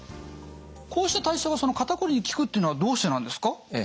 こうした体操が肩こりに効くっていうのはどうしてなんですか？